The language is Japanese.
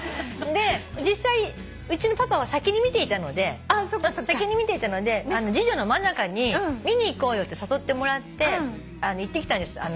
で実際うちのパパは先に見ていたので次女の真香に「見に行こうよ」って誘ってもらって行ってきたんです。